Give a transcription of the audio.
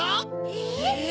えっ！